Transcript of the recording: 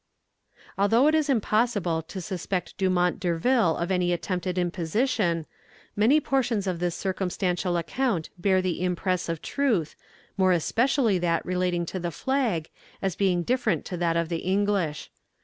Although it is impossible to suspect Dumont Durville of any attempt at imposition, many portions of this circumstantial account bear the impress of truth, more especially that relating to the flag, as being different to that of the English.